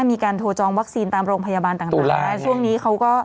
มีการโทรจองวัคซีนตามโรงพยาบาลต่างช่วงนี้เขาก็